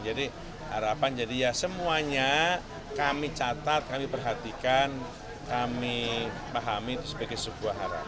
jadi harapan jadi ya semuanya kami catat kami perhatikan kami pahami itu sebagai sebuah harapan